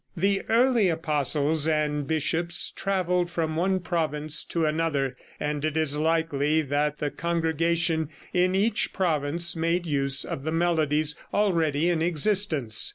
The early apostles and bishops traveled from one province to another, and it is likely that the congregation in each province made use of the melodies already in existence.